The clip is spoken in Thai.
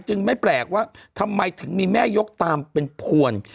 ไม่แปลกว่าทำไมถึงมีแม่ยกตามเป็นพวน